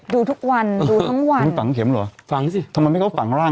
ดูทุกวันดูทั้งวันทั้งฝังเข็มเหรอฝังสิทำไมไม่เขาฝังร่าง